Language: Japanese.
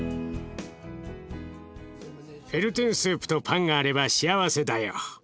エルテンスープとパンがあれば幸せだよ。